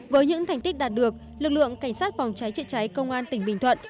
với những thành tích đạt được lực lượng cảnh sát phòng cháy chữa cháy công an tỉnh bình thuận